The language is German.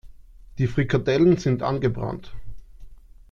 Die Frikadellen sind angebrannt.